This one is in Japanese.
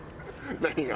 何が？